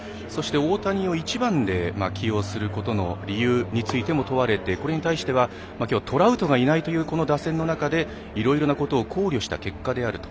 そして、大谷を１番で起用することの理由についても問われて、これに対してはきょうはトラウトがいないという打線の中で、いろいろ考慮した結果であると。